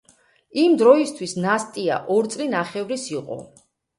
იმ დროისთვის ნასტია ორწლინახევრის იყო.